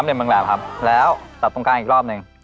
สามเหลี่ยมแหลมครับแล้วตัดตรงกลางอีกรอบหนึ่ง